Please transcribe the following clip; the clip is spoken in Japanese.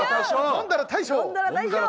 「飲んだら大将」！